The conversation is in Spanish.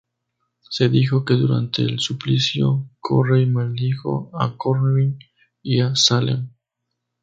Se dijo que durante el suplicio, Corey maldijo a Corwin y a Salem.